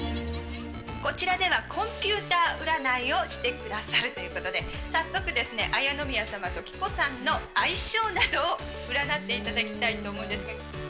こちらではコンピューター占いをしてくださるということで、早速ですね、礼宮さまと紀子さんの相性などを占っていただきたいと思うんですが。